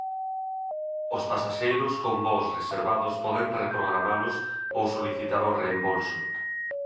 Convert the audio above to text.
Os pasaxeiros con voos reservados poden reprogramalos ou solicitar o reembolso.